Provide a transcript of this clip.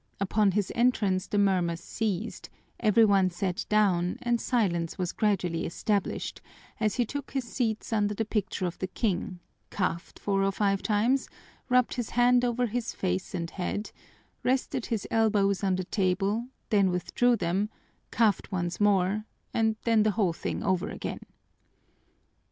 Upon his entrance the murmurs ceased, every one sat down, and silence was gradually established, as he took his seat under the picture of the King, coughed four or five times, rubbed his hand over his face and head, rested his elbows on the table, then withdrew them, coughed once more, and then the whole thing over again.